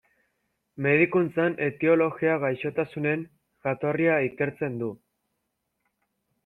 Medikuntzan etiologia gaixotasunen jatorria ikertzen du.